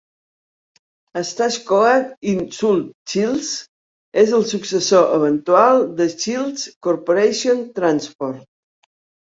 Stagecoach in South Shields és el successor eventual de Shields Corporation Transport.